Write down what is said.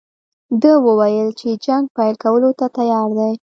ده وویل چې جنګ پیل کولو ته تیار دی.